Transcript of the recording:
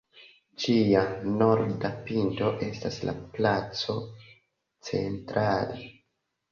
Ĝia norda pinto estas la placo "Central".